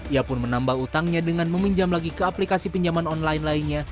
ia pun menambah utangnya dengan meminjam lagi ke aplikasi pinjaman online lainnya